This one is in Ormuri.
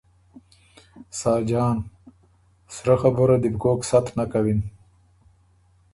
ساجان ـــ سرۀ خبُره دې بو کوک ست نک کَوِن